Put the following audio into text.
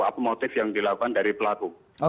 apa motif yang dilakukan dari pelaku